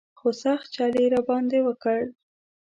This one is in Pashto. خو سخت چل یې را باندې وکړ.